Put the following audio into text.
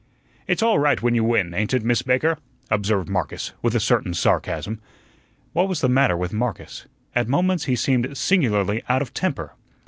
"It's all right when you win, ain't it, Miss Baker?" observed Marcus, with a certain sarcasm. What was the matter with Marcus? At moments he seemed singularly out of temper.